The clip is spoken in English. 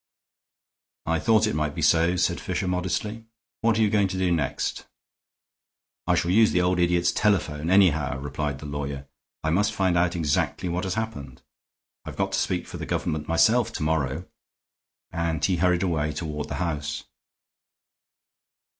"I thought it might be so," said Fisher, modestly. "What are you going to do next?" "I shall use the old idiot's telephone, anyhow," replied the lawyer. "I must find out exactly what has happened. I've got to speak for the Government myself to morrow." And he hurried away toward the house.